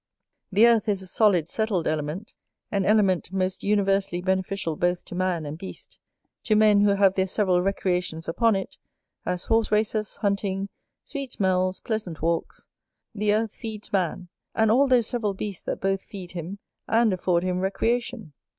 The Earth is a solid, settled element; an element most universally beneficial both to man and beast; to men who have their several recreations upon it, as horse races, hunting, sweet smells, pleasant walks: the earth feeds man, and all those several beasts that both feed him, and afford him recreation.